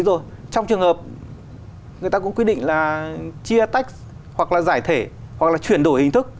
rồi trong trường hợp người ta cũng quyết định là chia tách hoặc là giải thể hoặc là chuyển đổi hình thức